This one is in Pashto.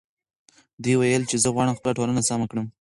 دې وویل چې زه غواړم خپله ټولنه سمه کړم.